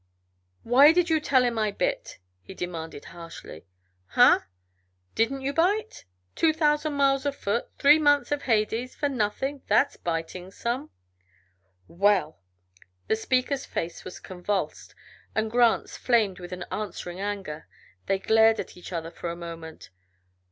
"Why did you tell him I bit?" he demanded harshly. "Hunh! Didn't you bite? Two thousand miles afoot; three months of Hades; for nothing. That's biting some." "Well!" The speaker's face was convulsed, and Grant's flamed with an answering anger. They glared at each other for a moment.